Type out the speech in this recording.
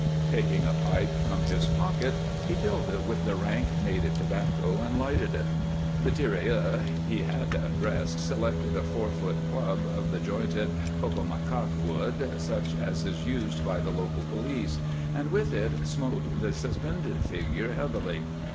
Taking a pipe from his pocket, he filled it with the rank native tobacco and lighted it. The tirailleur he had addressed selected a four foot club of the jointed cocomacaque wood, such as is used by the local police, and with it smote the suspended figure heavily.